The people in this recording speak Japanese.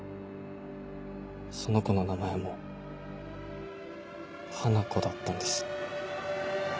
その子の名前も花子だったんです。